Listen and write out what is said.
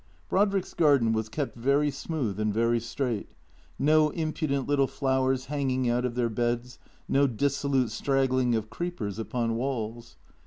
Brodrick's garden was kept very smooth and very straight, no impudent little flowers hanging out of their beds, no dis solute straggling of creepers upon walls.